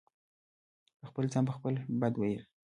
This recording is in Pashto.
په خپل ځان په خپله بد وئيل